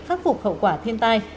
khắc phục khẩu quả thiên tai